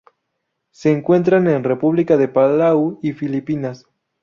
Se encuentran en República de Palau y Filipinas.